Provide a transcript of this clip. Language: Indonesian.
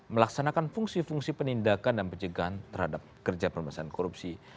melaksanakan fungsi fungsi penindakan dan pencegahan terhadap kerja pemerintahan korupsi